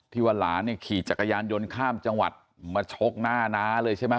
ว่าหลานเนี่ยขี่จักรยานยนต์ข้ามจังหวัดมาชกหน้าน้าเลยใช่ไหม